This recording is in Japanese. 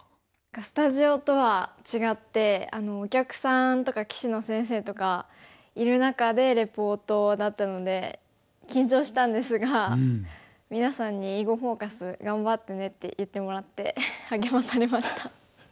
スタジオとは違ってお客さんとか棋士の先生とかいる中でレポートだったので緊張したんですがみなさんに「囲碁フォーカス」頑張ってねって言ってもらって励まされました。